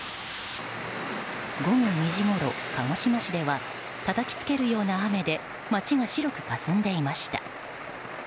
午後２時ごろ、鹿児島市ではたたきつけるような雨で街が白くかすんでいました。